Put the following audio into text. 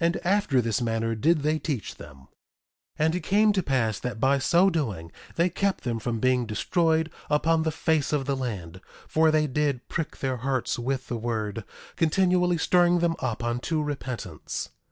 And after this manner did they teach them. 1:12 And it came to pass that by so doing they kept them from being destroyed upon the face of the land; for they did prick their hearts with the word, continually stirring them up unto repentance.